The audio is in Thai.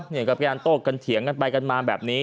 นี่ก็เป็นการโต้กันเถียงกันไปกันมาแบบนี้